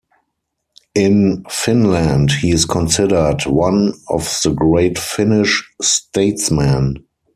In Finland, he is considered one of the great Finnish statesmen.